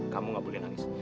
kamu gak boleh nangis